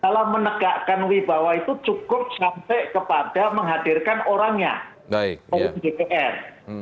dalam menegakkan wibawa itu cukup sampai kepada menghadirkan orangnya oleh dpr